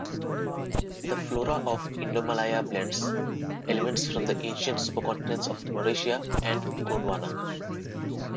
The flora of Indomalaya blends elements from the ancient supercontinents of Laurasia and Gondwana.